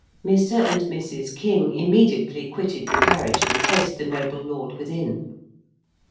Mr. and Mrs. King immediately quitted the carriage and placed the noble lord within.